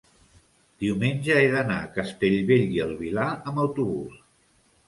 diumenge he d'anar a Castellbell i el Vilar amb autobús.